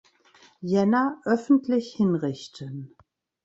Jänner öffentlich hinrichten.